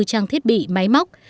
trang thiết bị máy móc